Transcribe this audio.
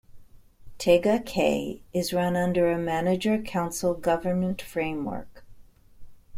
Tega Cay is run under a manager-council government framework.